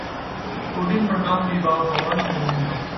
Udin bernaung di bawah pohon yang rindang